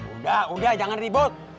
udah udah jangan ribut